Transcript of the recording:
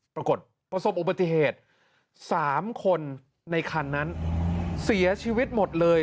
ประสบอุบัติเหตุ๓คนในคันนั้นเสียชีวิตหมดเลย